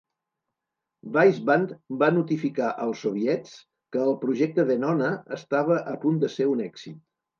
Weisband va notificar als Soviets que el projecte Venona estava a punt de ser un èxit.